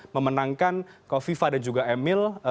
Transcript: memenangkan kofifa dan juga emil